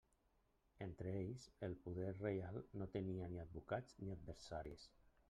Entre ells el poder reial no tenia ni advocats ni adversaris.